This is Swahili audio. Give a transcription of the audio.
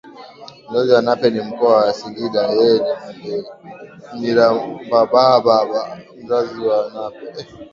mzazi wa Nape ni mkoa wa Singida yeye ni MnyirambaBaba mzazi wa Nape